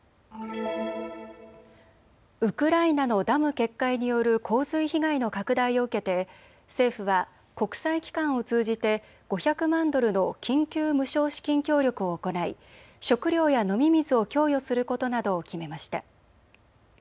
ウクライナのダム決壊による洪水被害の拡大を受けて政府は国際機関を通じて５００万ドルの緊急無償資金協力を行い食料や飲み水を供与することなどを決めました。